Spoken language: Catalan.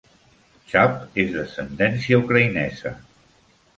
"Chub" és d'ascendència ucraïnesa.